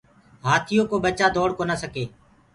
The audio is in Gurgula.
هآٿيو ڪو ڀچآ دوڙ ڪونآ سگي ۔